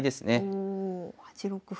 おお８六歩。